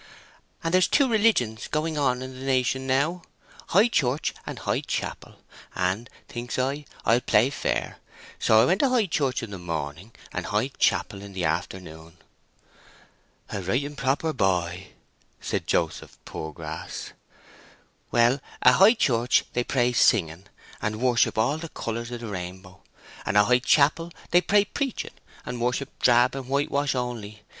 "And there's two religions going on in the nation now—High Church and High Chapel. And, thinks I, I'll play fair; so I went to High Church in the morning, and High Chapel in the afternoon." "A right and proper boy," said Joseph Poorgrass. "Well, at High Church they pray singing, and worship all the colours of the rainbow; and at High Chapel they pray preaching, and worship drab and whitewash only.